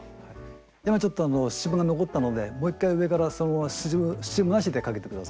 今ちょっとスチームが残ったのでもう１回上からそのままスチームなしでかけて下さい。